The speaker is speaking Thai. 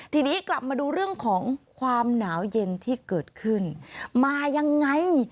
ทีนี้กลับมาดูเรื่องของความหนาวเย็นที่เกิดขึ้นมายังไง